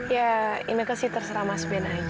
ya inaka sih terserah mas ben aja nih